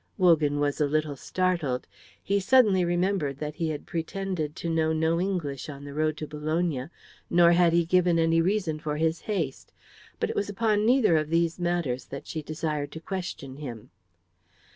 Wogan was a little startled. He suddenly remembered that he had pretended to know no English on the road to Bologna, nor had he given any reason for his haste. But it was upon neither of these matters that she desired to question him.